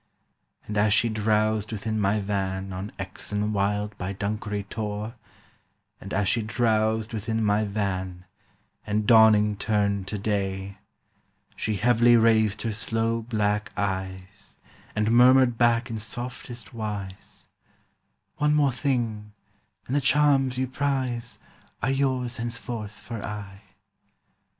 "And as she drowsed within my van On Exon Wild by Dunkery Tor— And as she drowsed within my van, And dawning turned to day, She heavily raised her sloe black eyes And murmured back in softest wise, 'One more thing, and the charms you prize Are yours henceforth for aye.